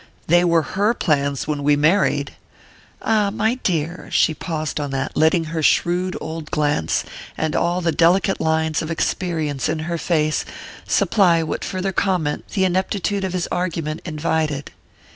"They were her plans when we married!" "Ah, my dear !" She paused on that, letting her shrewd old glance, and all the delicate lines of experience in her face, supply what farther comment the ineptitude of his argument invited.